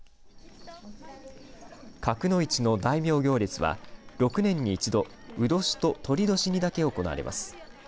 賀来の市の大名行列は６年に一度、う年ととり年にだけ行われます。